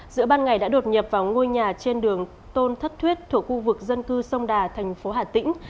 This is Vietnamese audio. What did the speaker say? giữa ban ngày đã đột nhập vào ngôi nhà trên đường tôn thất thuyết thuộc khu vực dân cư sông đà thành phố hà tĩnh